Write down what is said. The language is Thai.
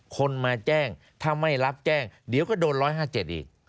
คนมาแจ้งถ้าไม่รับแจ้งเดี๋ยวก็โดน๑๕๗อีก